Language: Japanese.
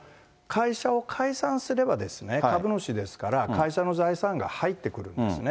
会社を解散すれば、株主ですから、会社の財産が入ってくるんですね。